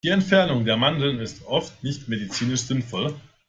Die Entfernung der Mandeln ist oft nicht medizinisch sinnvoll.